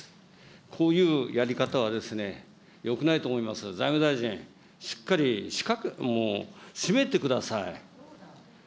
こういうやり方はですね、よくないと思いますよ、財務大臣、しっかりもう締めてください。